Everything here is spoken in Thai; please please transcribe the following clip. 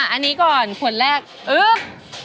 อ่ะอันนี้ก่อนขวดแรกอุ๊ย